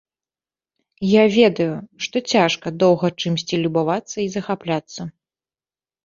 Я ведаю, што цяжка доўга чымсьці любавацца і захапляцца.